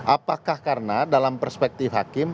apakah karena dalam perspektif hakim